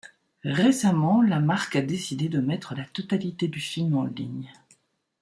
Récemment, la marque a décidé de mettre la totalité du film en ligne.